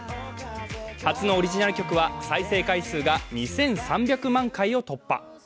初のオリジナル曲は再生回数が２３００万回を突破。